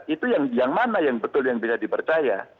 itu yang mana yang betul yang bisa dipercaya